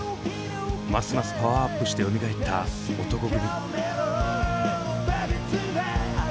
ますますパワーアップしてよみがえった男闘呼組。